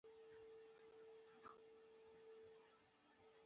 لمسی د مور ستره هيله ده.